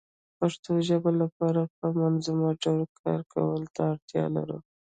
پښتو ژبې لپاره په منظمه ډول کار کولو ته اړتيا لرو